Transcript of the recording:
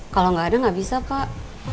kalau enggak ada gak bisa pak